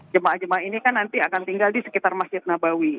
jemaah jemaah ini kan nanti akan tinggal di sekitar masjid nabawi